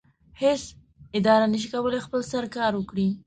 هیڅ اداره نشي کولی په خپل سر کار وکړي.